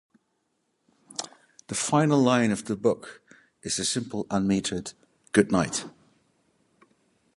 The final line of the book is a simple, unmetered "Good night".